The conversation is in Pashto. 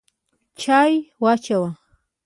چای واچوه!